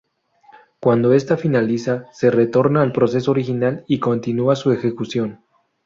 Cuando esta finaliza, se retorna al proceso original, y continúa su ejecución.